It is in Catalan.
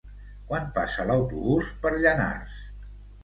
Quan passa l'autobús per Llanars?